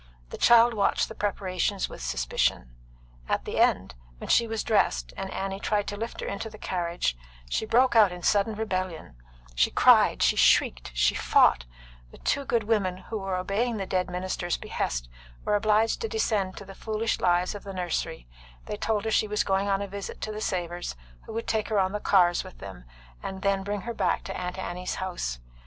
The child watched the preparations with suspicion. At the end, when she was dressed, and Annie tried to lift her into the carriage, she broke out in sudden rebellion; she cried, she shrieked, she fought; the two good women who were obeying the dead minister's behest were obliged to descend to the foolish lies of the nursery; they told her she was going on a visit to the Savors, who would take her on the cars with them, and then bring her back to Aunt Annie's house.